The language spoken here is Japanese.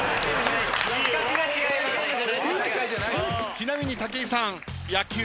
ちなみに武井さん野球は？